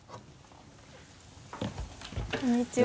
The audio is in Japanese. こんにちは。